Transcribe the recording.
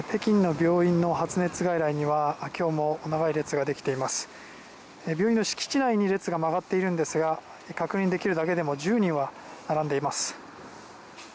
病院の敷地内に列が曲がっているんですが確認できるだけでも１０人は並んでいます。